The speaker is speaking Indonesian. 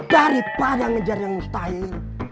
daripada ngejar yang mustahil